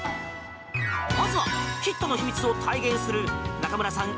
まずはヒットの秘密を体現する中村さん